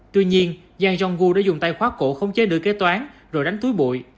tuy nhiên giang jong gu đã dùng tay khoát cổ khống chế nữ kế toán rồi đánh túi bụi